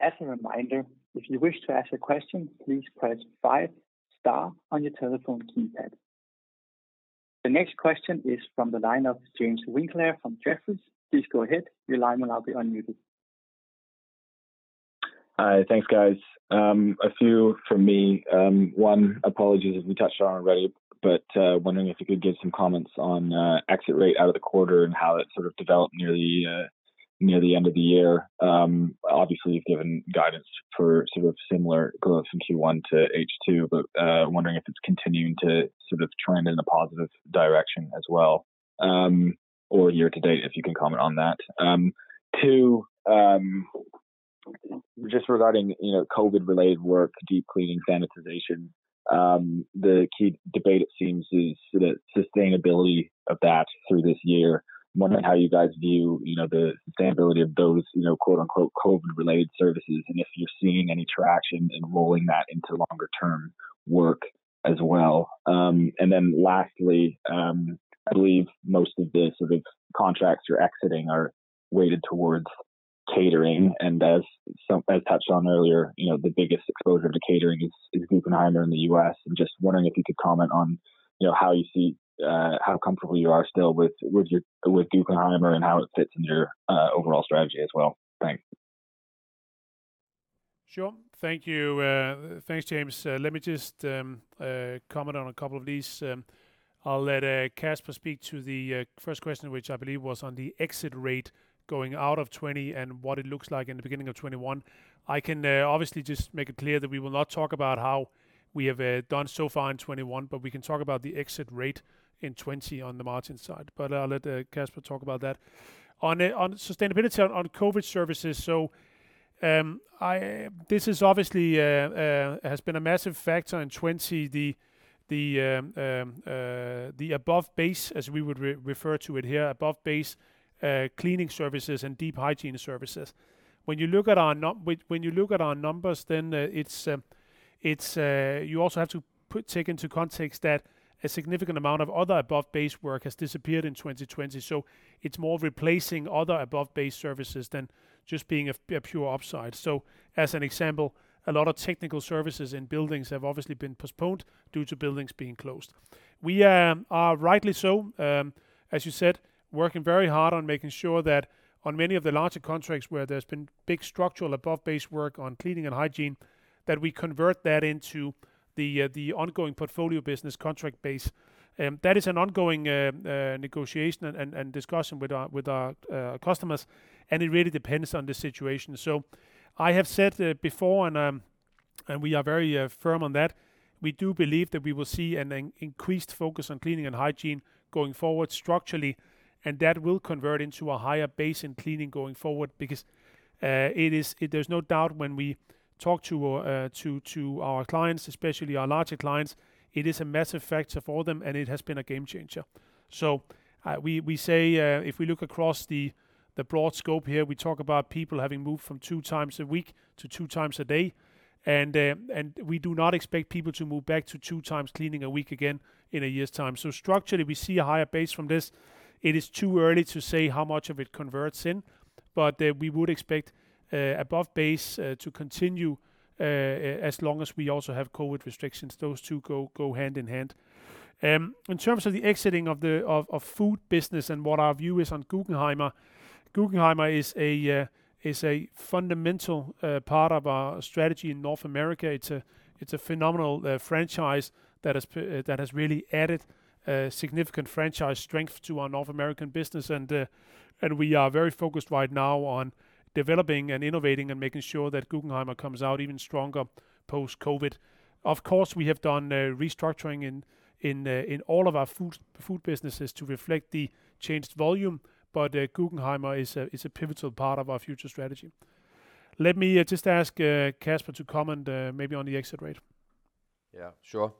As a reminder, if you wish to ask a question, please press five star on your telephone keypad. The next question is from the line of James Winckler from Jefferies. Please go ahead. Your line will now be unmuted. Hi. Thanks, guys. A few from me. One, apologies if you touched on it already, but wondering if you could give some comments on exit rate out of the quarter and how that sort of developed near the end of the year? Obviously, you've given guidance for similar growth from Q1 to H2, wondering if it's continuing to trend in a positive direction as well, or year-to-date, if you can comment on that? Two, just regarding COVID-related work, deep cleaning, sanitization. The key debate it seems is sort of sustainability of that through this year. Wondering how you guys view the sustainability of those "COVID-related services," and if you're seeing any traction in rolling that into longer term work as well? Lastly, I believe most of the contracts you're exiting are weighted towards catering, and as touched on earlier, the biggest exposure to catering is Guckenheimer in the U.S. I'm just wondering if you could comment on how comfortable you are still with Guckenheimer and how it fits into your overall strategy as well. Thanks. Sure. Thank you. Thanks, James. Let me just comment on a couple of these. I'll let Kasper speak to the first question, which I believe was on the exit rate going out of 2020, and what it looks like in the beginning of 2021. I can obviously just make it clear that we will not talk about how we have done so far in 2021, but we can talk about the exit rate in 2020 on the margin side. I'll let Kasper talk about that. On sustainability on COVID services. This obviously has been a massive factor in 2020, the above base, as we would refer to it here. Above base cleaning services and deep hygiene services. When you look at our numbers, you also have to take into context that a significant amount of other above base work has disappeared in 2020. It's more replacing other above base services than just being a pure upside. As an example, a lot of technical services in buildings have obviously been postponed due to buildings being closed. We are, rightly so, as you said, working very hard on making sure that on many of the larger contracts where there's been big structural above base work on cleaning and hygiene, that we convert that into the ongoing portfolio business contract base. That is an ongoing negotiation and discussion with our customers, and it really depends on the situation. I have said before, and we are very firm on that, we do believe that we will see an increased focus on cleaning and hygiene going forward structurally, and that will convert into a higher base in cleaning going forward because there's no doubt when we talk to our clients, especially our larger clients, it is a massive factor for them, and it has been a game changer. We say if we look across the broad scope here, we talk about people having moved from two times a week to two times a day, and we do not expect people to move back to two times cleaning a week again in a year's time. Structurally, we see a higher base from this. It is too early to say how much of it converts in, but we would expect above base to continue as long as we also have COVID restrictions. Those two go hand in hand. In terms of the exiting of food business and what our view is on Guckenheimer. Guckenheimer is a fundamental part of our strategy in North America. It's a phenomenal franchise that has really added significant franchise strength to our North American business, and we are very focused right now on developing and innovating and making sure that Guckenheimer comes out even stronger post-COVID. Of course, we have done restructuring in all of our food businesses to reflect the changed volume, but Guckenheimer is a pivotal part of our future strategy. Let me just ask Kasper to comment maybe on the exit rate. Yeah, sure.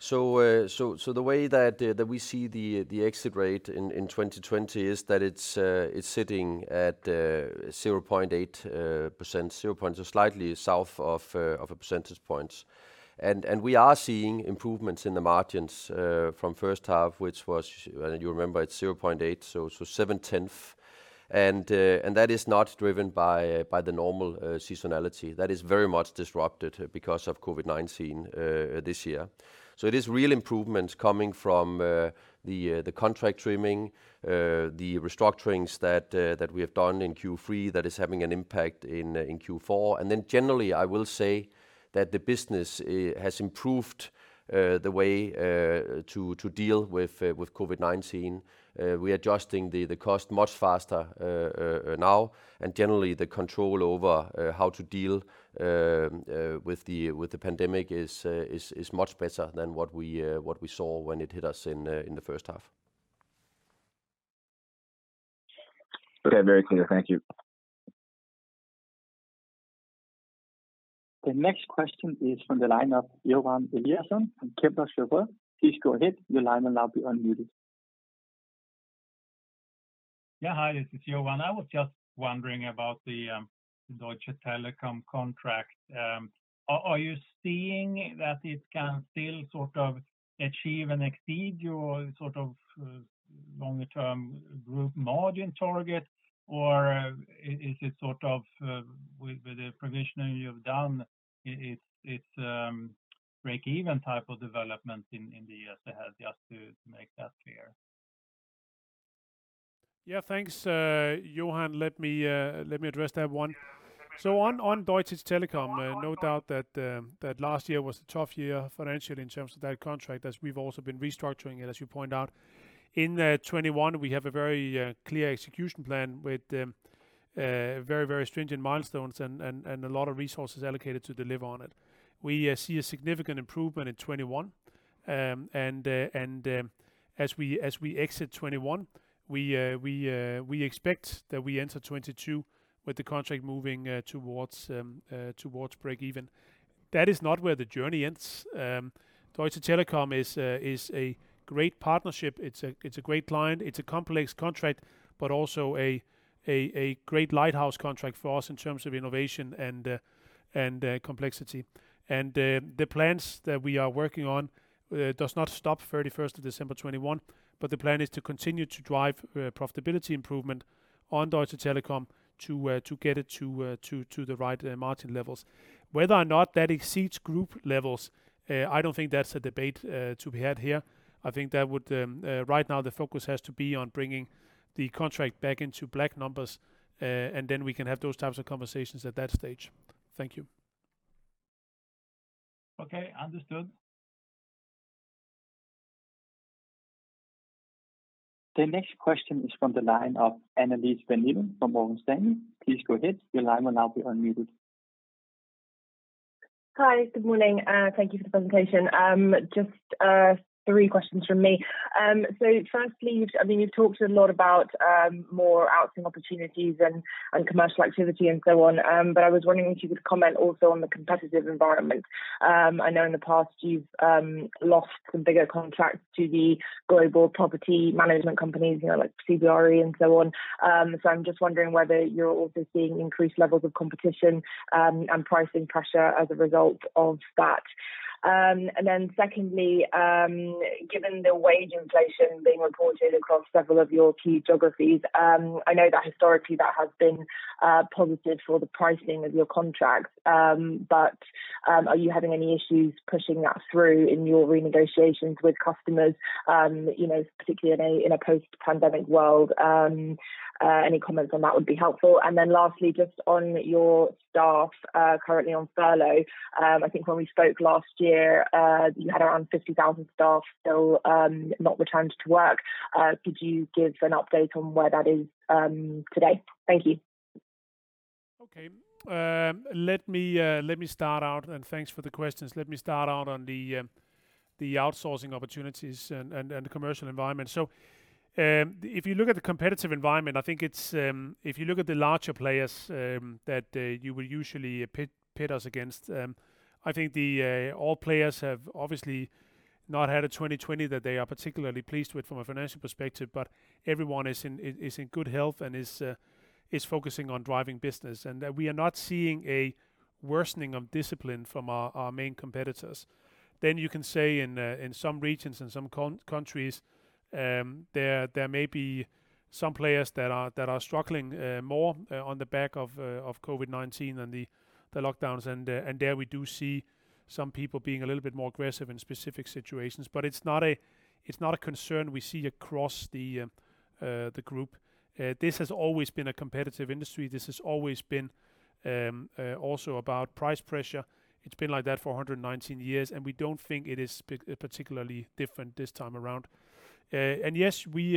The way that we see the exit rate in 2020 is that it's sitting at 0.8%, so slightly south of a percentage point. We are seeing improvements in the margins from first half, which was, you remember, it's 0.8, so it's 7/10. That is not driven by the normal seasonality. That is very much disrupted because of COVID-19 this year. It is real improvements coming from the contract trimming, the restructurings that we have done in Q3 that is having an impact in Q4. Generally, I will say that the business has improved the way to deal with COVID-19. We're adjusting the cost much faster now, and generally, the control over how to deal with the pandemic is much better than what we saw when it hit us in the first half. Okay. Very clear. Thank you. The next question is from the line of Johan Eliason from Kepler Cheuvreux. Please go ahead. Your line will now be unmuted. Yeah. Hi, this is Johan. I was just wondering about the Deutsche Telekom contract. Are you seeing that it can still sort of achieve and exceed your sort of longer term group margin target? Or is it sort of with the provisioning you have done, it's break even type of development in the years ahead, just to make that clear? Thanks, Johan. Let me address that one. On Deutsche Telekom, no doubt that last year was a tough year financially in terms of that contract, as we've also been restructuring it, as you point out. In 2021, we have a very clear execution plan with very stringent milestones and a lot of resources allocated to deliver on it. We see a significant improvement in 2021. As we exit 2021, we expect that we enter 2022 with the contract moving towards break even. That is not where the journey ends. Deutsche Telekom is a great partnership. It's a great client. It's a complex contract, but also a great lighthouse contract for us in terms of innovation and complexity. The plans that we are working on does not stop 31st of December 2021, but the plan is to continue to drive profitability improvement on Deutsche Telekom to get it to the right margin levels. Whether or not that exceeds group levels, I don't think that's a debate to be had here. I think that right now the focus has to be on bringing the contract back into black numbers, and then we can have those types of conversations at that stage. Thank you. Okay, understood. The next question is from the line of Annelies Vermeulen from Morgan Stanley. Please go ahead. Your line will now be unmuted. Hi. Good morning. Thank you for the presentation. Just three questions from me. Firstly, you've talked a lot about more outsourcing opportunities and commercial activity and so on, but I was wondering if you could comment also on the competitive environment. I know in the past you've lost some bigger contracts to the global property management companies, like CBRE and so on. I'm just wondering whether you're also seeing increased levels of competition and pricing pressure as a result of that. Secondly, given the wage inflation being reported across several of your key geographies, I know that historically that has been positive for the pricing of your contracts. Are you having any issues pushing that through in your renegotiations with customers, particularly in a post-pandemic world? Any comments on that would be helpful. Lastly, just on your staff currently on furlough. I think when we spoke last year, you had around 50,000 staff still not returned to work. Could you give an update on where that is today? Thank you. Okay. Let me start out. Thanks for the questions. Let me start out on the outsourcing opportunities and the commercial environment. If you look at the competitive environment, if you look at the larger players that you will usually pit us against, I think all players have obviously not had a 2020 that they are particularly pleased with from a financial perspective, but everyone is in good health and is focusing on driving business. We are not seeing a worsening of discipline from our main competitors. You can say in some regions and some countries, there may be some players that are struggling more on the back of COVID-19 and the lockdowns. There we do see some people being a little bit more aggressive in specific situations, but it's not a concern we see across the group. This has always been a competitive industry. This has always been also about price pressure. It's been like that for 119 years, and we don't think it is particularly different this time around. Yes, we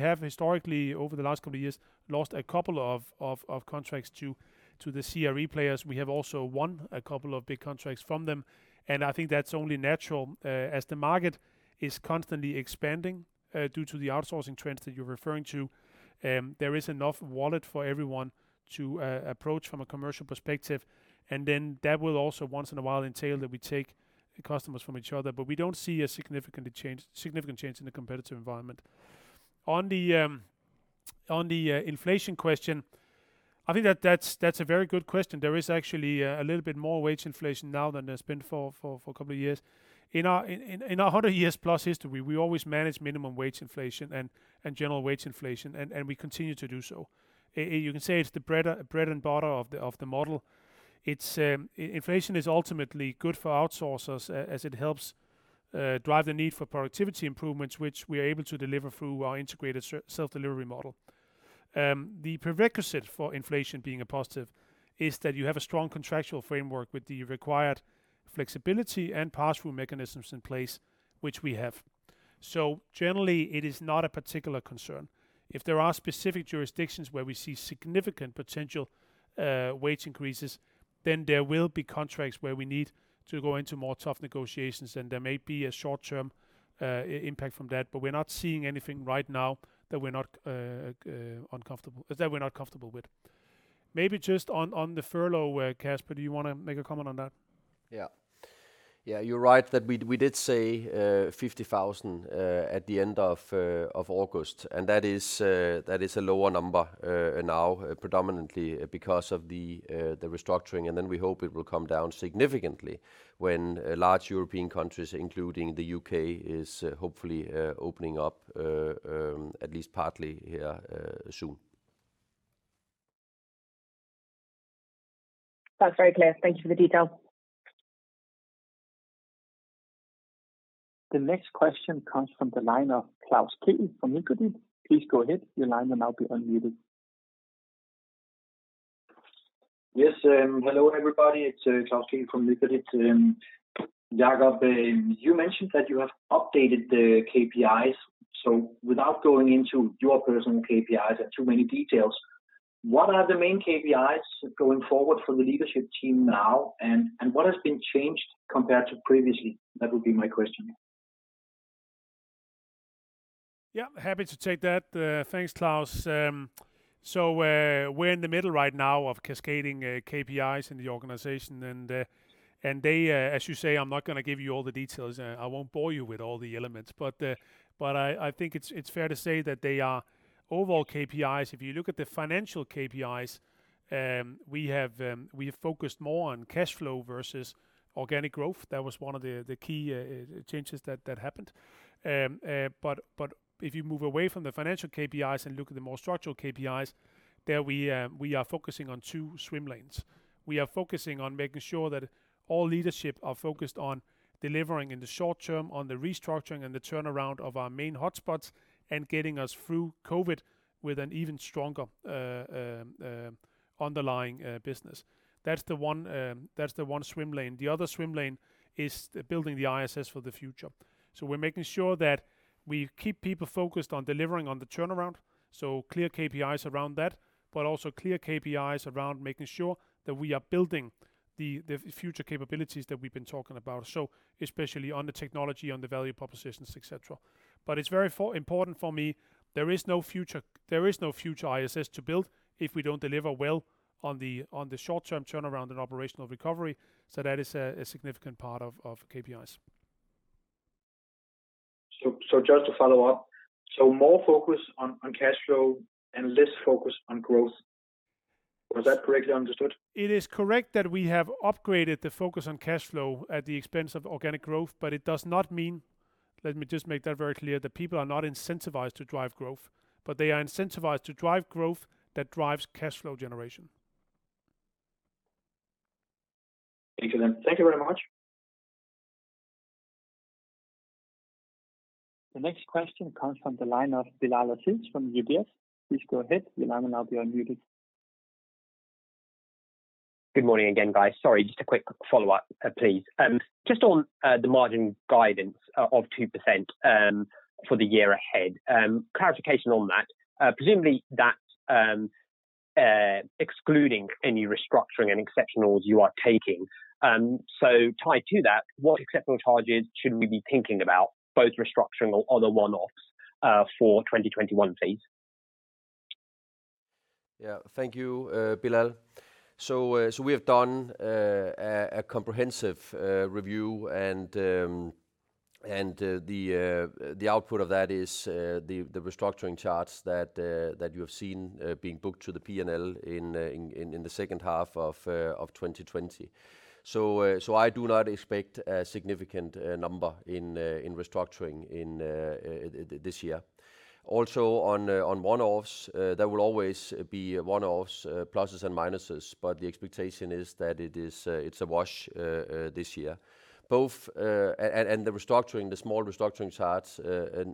have historically, over the last couple of years, lost a couple of contracts to the CRE players. We have also won a couple of big contracts from them, and I think that's only natural. As the market is constantly expanding due to the outsourcing trends that you're referring to, there is enough wallet for everyone to approach from a commercial perspective. That will also once in a while entail that we take customers from each other, but we don't see a significant change in the competitive environment. On the inflation question, I think that's a very good question. There is actually a little bit more wage inflation now than there's been for a couple of years. In our 100+ years history, we always manage minimum wage inflation and general wage inflation. We continue to do so. You can say it's the bread and butter of the model. Inflation is ultimately good for outsourcers as it helps drive the need for productivity improvements, which we are able to deliver through our integrated self-delivery model. The prerequisite for inflation being a positive is that you have a strong contractual framework with the required flexibility and pass-through mechanisms in place, which we have. Generally, it is not a particular concern. If there are specific jurisdictions where we see significant potential wage increases, then there will be contracts where we need to go into more tough negotiations, and there may be a short-term impact from that, but we're not seeing anything right now that we're not comfortable with. Maybe just on the furlough, Kasper, do you want to make a comment on that? Yeah. You're right that we did say 50,000 at the end of August. That is a lower number now, predominantly because of the restructuring. Then we hope it will come down significantly when large European countries, including the U.K., is hopefully opening up, at least partly here soon. That's very clear. Thank you for the detail. The next question comes from the line of Klaus Kehl from Nykredit. Please go ahead. Your line will now be unmuted. Yes. Hello, everybody. It's Klaus Kehl from Nykredit. Jacob, you mentioned that you have updated the KPIs. Without going into your personal KPIs and too many details, what are the main KPIs going forward for the leadership team now, and what has been changed compared to previously? That would be my question. Yeah, happy to take that. Thanks, Klaus. We're in the middle right now of cascading KPIs in the organization, and they, as you say, I'm not going to give you all the details. I won't bore you with all the elements, but I think it's fair to say that they are overall KPIs. If you look at the financial KPIs, we have focused more on cash flow versus organic growth. That was one of the key changes that happened. If you move away from the financial KPIs and look at the more structural KPIs, there we are focusing on two swim lanes. We are focusing on making sure that all leadership are focused on delivering in the short term on the restructuring and the turnaround of our main hotspots and getting us through COVID with an even stronger underlying business. That's the one swim lane. The other swim lane is building the ISS for the future. We're making sure that we keep people focused on delivering on the turnaround, clear KPIs around that, but also clear KPIs around making sure that we are building the future capabilities that we've been talking about especially on the technology, on the value propositions, et cetera. It's very important for me, there is no future ISS to build if we don't deliver well on the short-term turnaround and operational recovery. That is a significant part of KPIs. Just to follow up, more focus on cash flow and less focus on growth. Was that correctly understood? It is correct that we have upgraded the focus on cash flow at the expense of organic growth, but it does not mean, let me just make that very clear, that people are not incentivized to drive growth, but they are incentivized to drive growth that drives cash flow generation. Thank you then. Thank you very much. The next question comes from the line of Bilal Aziz from UBS. Please go ahead. Your line will now be unmuted. Good morning again, guys. Sorry, just a quick follow-up, please. Just on the margin guidance of 2% for the year ahead. Clarification on that, presumably that's excluding any restructuring and exceptionals you are taking. Tied to that, what exceptional charges should we be thinking about, both restructuring or other one-offs, for 2021, please? Yeah. Thank you, Bilal. We have done a comprehensive review, and the output of that is the restructuring charts that you have seen being booked to the P&L in the second half of 2020. I do not expect a significant number in restructuring this year. Also on one-offs, there will always be one-offs pluses and minuses, but the expectation is that it's a wash this year. Both, and the restructuring, the small restructuring charts,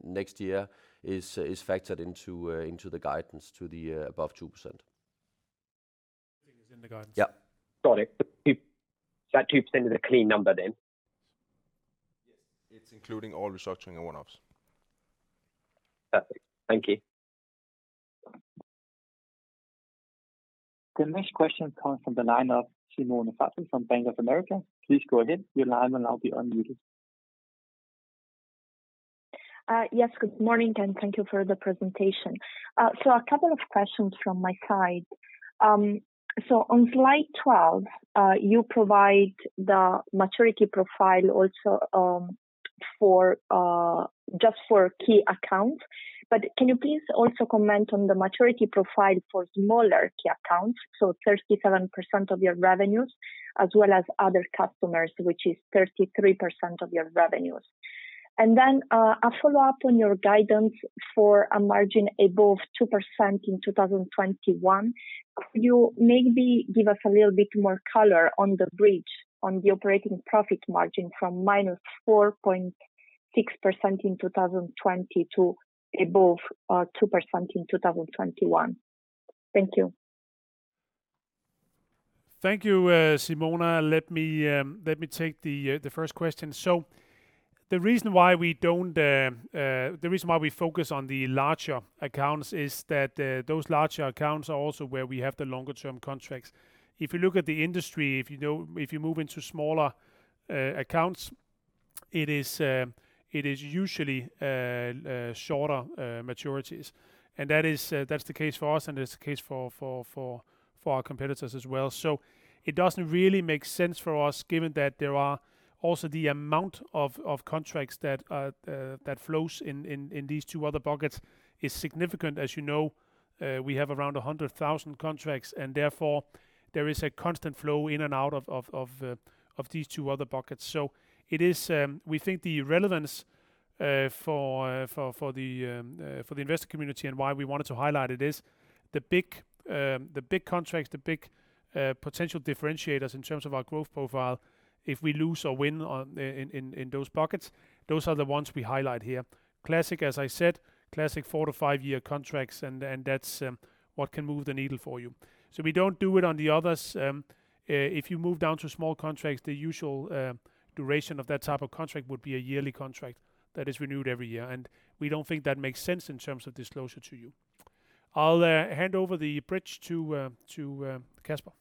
next year is factored into the guidance to the above 2%. It is in the guidance. Yeah. Got it. That 2% is a clean number then? Yes, it's including all restructuring and one-offs. Perfect. Thank you. The next question comes from the line of Simona Sarli from Bank of America. Please go ahead. Your line will now be unmuted. Yes. Good morning, and thank you for the presentation. A couple of questions from my side. On slide 12, you provide the maturity profile also just for key accounts. Can you please also comment on the maturity profile for smaller key accounts, so 37% of your revenues, as well as other customers, which is 33% of your revenues? A follow-up on your guidance for a margin above 2% in 2021. Could you maybe give us a little bit more color on the bridge on the operating profit margin from -4.6% in 2020 to above 2% in 2021? Thank you. Thank you, Simona. Let me take the first question. The reason why we focus on the larger accounts is that those larger accounts are also where we have the longer-term contracts. If you look at the industry, if you move into smaller accounts, it is usually shorter maturities. That's the case for us, and it's the case for our competitors as well. It doesn't really make sense for us given that there are also the amount of contracts that flows in these two other buckets is significant. As you know, we have around 100,000 contracts, and therefore, there is a constant flow in and out of these two other buckets. We think the relevance for the investor community and why we wanted to highlight it is the big contracts, the big potential differentiators in terms of our growth profile, if we lose or win in those buckets, those are the ones we highlight here. Classic, as I said, classic four- to five-year contracts, and that's what can move the needle for you. We don't do it on the others. If you move down to small contracts, the usual duration of that type of contract would be a yearly contract that is renewed every year. We don't think that makes sense in terms of disclosure to you. I'll hand over the bridge to Kasper.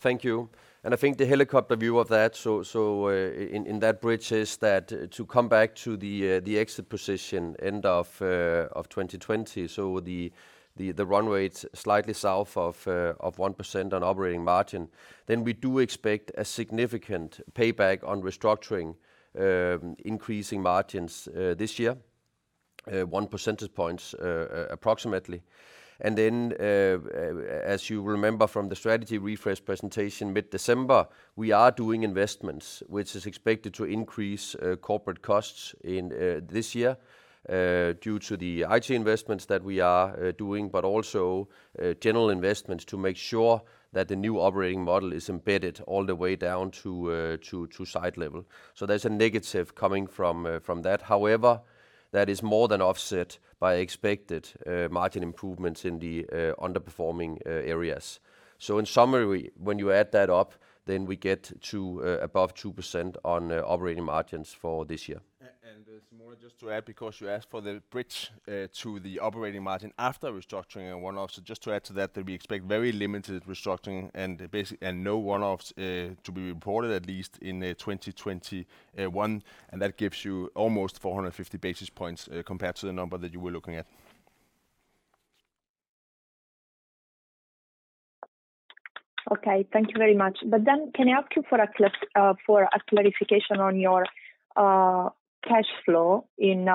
Thank you. I think the helicopter view of that, in that bridge is that to come back to the exit position end of 2020, the run-rate, it's slightly south of 1% on operating margin. We do expect a significant payback on restructuring, increasing margins, this year, 1 percentage points, approximately. As you remember from the strategy refresh presentation mid-December, we are doing investments, which is expected to increase corporate costs in this year, due to the IT investments that we are doing, but also general investments to make sure that the new operating model is embedded all the way down to site level. There's a negative coming from that. However, that is more than offset by expected margin improvements in the underperforming areas. In summary, when you add that up, then we get to above 2% on operating margins for this year. Simona, just to add, because you asked for the bridge to the operating margin after restructuring and one-offs. Just to add to that we expect very limited restructuring and no one-offs to be reported, at least in 2021. That gives you almost 450 basis points, compared to the number that you were looking at. Okay. Thank you very much. Can I ask you for a clarification on your cash flow in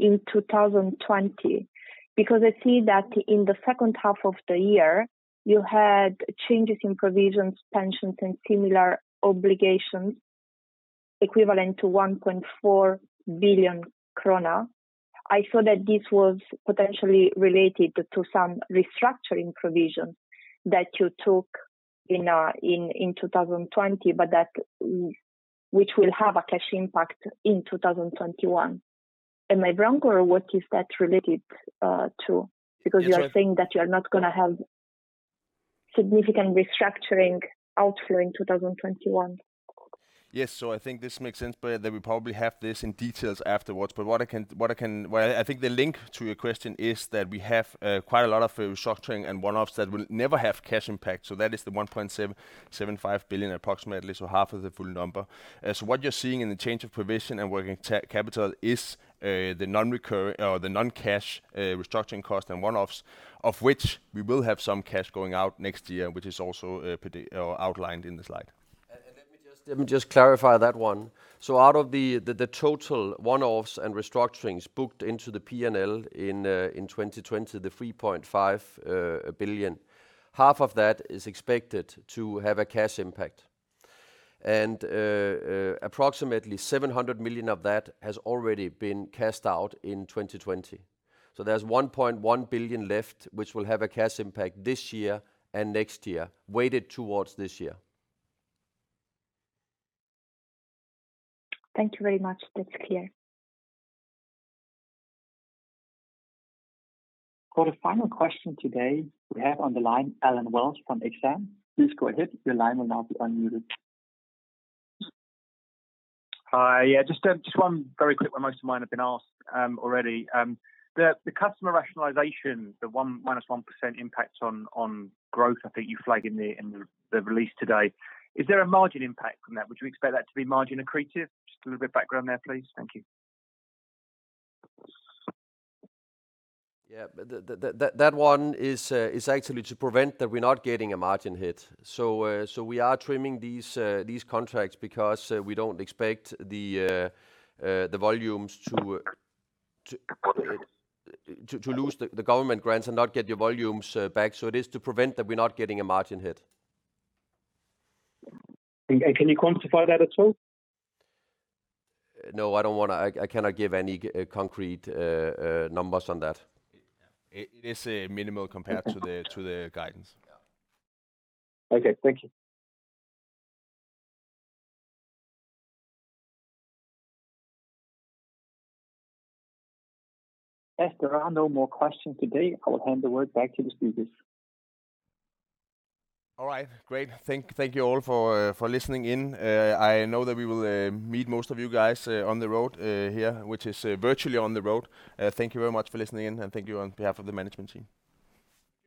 2020? Because I see that in the second half of the year, you had changes in provisions, pensions, and similar obligations equivalent to 1.4 billion krone. I saw that this was potentially related to some restructuring provisions that you took in 2020, but that which will have a cash impact in 2021. Am I wrong, or what is that related to? You are saying that you're not going to have significant restructuring outflow in 2021. Yes. I think this makes sense, but that we probably have this in details afterwards. I think the link to your question is that we have quite a lot of restructuring and one-offs that will never have cash impact. That is the 1.75 billion approximately. Half of the full number. What you're seeing in the change of provision and working capital is the non-cash restructuring cost and one-offs, of which we will have some cash going out next year, which is also outlined in the slide. Let me just clarify that one. Out of the total one-offs and restructurings booked into the P&L in 2020, the 3.5 billion, half of that is expected to have a cash impact. Approximately 700 million of that has already been cashed out in 2020. There's 1.1 billion left, which will have a cash impact this year and next year, weighted towards this year. Thank you very much. That's clear. For the final question today, we have on the line Allen Wells from Exane. Please go ahead. Your line will now be unmuted. Hi. Yeah, just one very quick one. Most of mine have been asked already. The customer rationalization, the -1% impact on growth, I think you flag in the release today. Is there a margin impact from that? Would you expect that to be margin accretive? Just a little bit of background there, please. Thank you. Yeah. That one is actually to prevent that we're not getting a margin hit. We are trimming these contracts because we don't expect the volumes to lose the government grants and not get your volumes back. It is to prevent that we're not getting a margin hit. Can you quantify that at all? No, I cannot give any concrete numbers on that. It is minimal compared to the guidance. Yeah. Okay. Thank you. As there are no more questions today, I will hand the word back to the speakers. All right. Great. Thank you all for listening in. I know that we will meet most of you guys on the road here, which is virtually on the road. Thank you very much for listening in, and thank you on behalf of the management team.